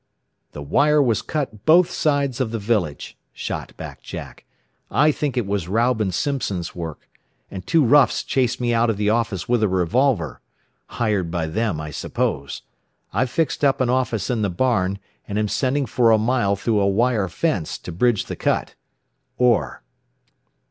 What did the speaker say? "The wire was cut both sides of the village," shot back Jack. "I think it was Raub and Simpson's work. And two roughs chased me out of the office with a revolver. Hired by them, I suppose. I've fixed up an office in the barn, and am sending for a mile through a wire fence, to bridge the cut. Orr."